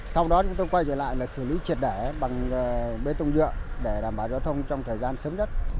sau đó chúng tôi quay trở lại xử lý triệt đẻ bằng bê tùng dựa để đảm bảo giao thông trong thời gian sớm nhất